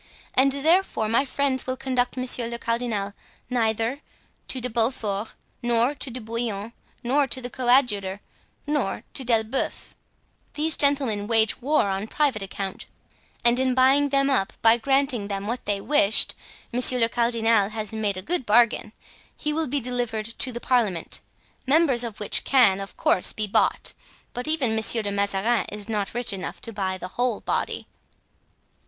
And therefore my friends will conduct monsieur le cardinal neither to De Beaufort, nor to De Bouillon, nor to the coadjutor, nor to D'Elbeuf. These gentlemen wage war on private account, and in buying them up, by granting them what they wished, monsieur le cardinal has made a good bargain. He will be delivered to the parliament, members of which can, of course, be bought, but even Monsieur de Mazarin is not rich enough to buy the whole body."